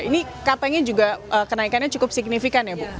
ini katanya juga kenaikannya cukup signifikan